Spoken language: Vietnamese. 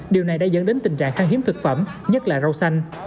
điều này đã dẫn đến tình trạng căng hiếm thực phẩm nhất là rau xanh